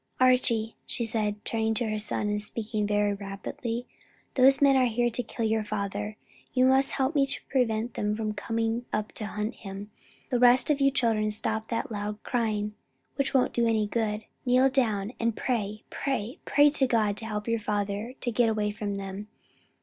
"Archie," she said, turning to her son and speaking very rapidly, "those men are here to kill your father; you must help me to prevent them from coming up to hunt him. The rest of you children stop that loud crying, which won't do any good. Kneel down and pray, pray, pray to God to help your father to get away from them.